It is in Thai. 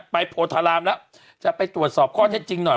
โพธารามแล้วจะไปตรวจสอบข้อเท็จจริงหน่อย